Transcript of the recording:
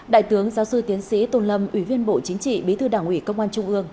đại tướng giáo sư tiến sĩ tô lâm ủy viên bộ chính trị bí thư đảng ủy công an trung ương